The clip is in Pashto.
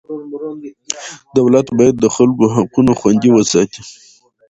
دولت باید د خلکو حقونه خوندي وساتي.